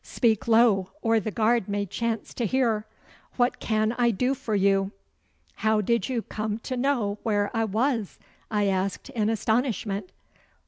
'Speak low, or the guard may chance to hear. What can I do for you?' 'How did you come to know where I was?' I asked in astonishment.